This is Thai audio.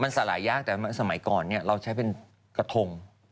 มันสลายยากแต่เมื่อสมัยก่อนเนี่ยเราใช้เป็นกระทง